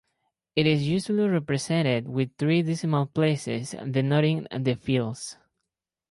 It is usually represented with three decimal places denoting the fils.